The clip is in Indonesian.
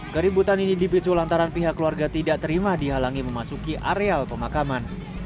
keributan ini dipicu lantaran pihak keluarga tidak terima dihalangi memasuki areal pemakaman